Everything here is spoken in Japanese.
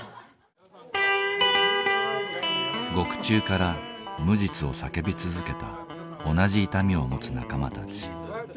獄中から無実を叫び続けた同じ痛みを持つ仲間たち。